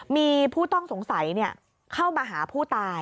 มีผู้ต้องสงสัยเข้ามาหาผู้ตาย